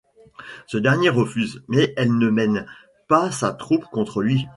Ce dernier refuse, mais elle ne mène pas sa troupe contre lui.